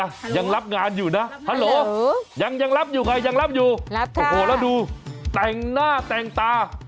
ยังรับงานอยู่นะฮัลโหลยังยังรับอยู่ไงยังรับอยู่โอ้โหแล้วดูแต่งหน้าแต่งตา